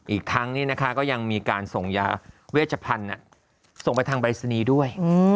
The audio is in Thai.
อีกทั้งนี้นะคะก็ยังมีการส่งยาเวชพันธุ์ส่งไปทางปรายศนีย์ด้วย